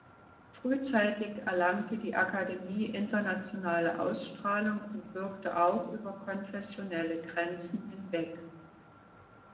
Frühzeitig erlangte die Akademie internationale Ausstrahlung und wirkte auch über konfessionelle Grenzen hinweg.